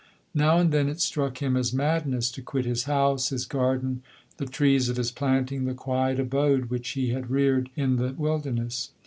Now and then it struck, him as madness to quit his house, his garden, the trees of his planting, the quiet abode which he had reared in the wilderness.